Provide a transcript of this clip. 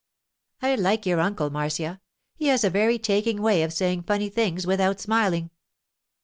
'I like your uncle, Marcia. He has a very taking way of saying funny things without smiling.